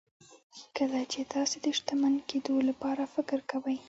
کله چې تاسې د شتمن کېدو لپاره فکر کوئ.